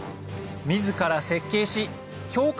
自ら設計し強化